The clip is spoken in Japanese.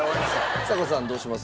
ちさ子さんどうします？